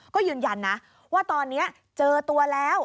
ก็ยืนยันนะว่าตอนนี้เจอตัวแล้ว